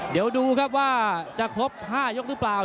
เดี๋ยวดูครับว่าจะครบ๕ยกหรือเปล่า